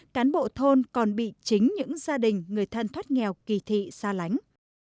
cán bộ thôn còn bị chính những gia đình người thân thoát nghèo kỳ thị xa lánh